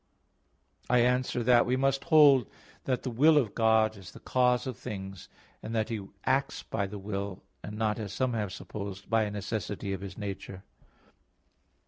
I answer that, We must hold that the will of God is the cause of things; and that He acts by the will, and not, as some have supposed, by a necessity of His nature.